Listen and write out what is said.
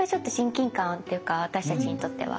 私たちにとっては。